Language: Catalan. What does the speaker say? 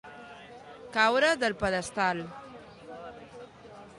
Caure del pedestal.